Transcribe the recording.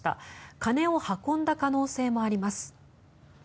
金を運んだ可能性もあります。